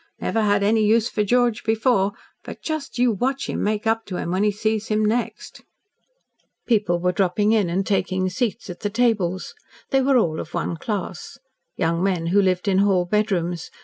Never had any use for George before, but just you watch him make up to him when he sees him next." People were dropping in and taking seats at the tables. They were all of one class. Young men who lived in hall bedrooms.